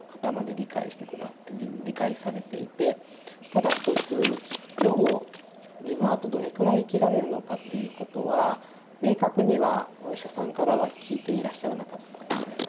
ただ一つ予後自分はあとどれくらい生きられるのかっていうことは明確にはお医者さんからは聞いていらっしゃらなかったんですね。